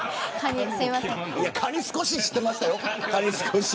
カニは少し知ってましたよ。